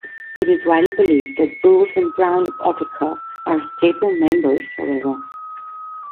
It is widely believed that Booth and Brown of Autechre are staple members, however.